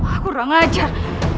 aku tidak mengajar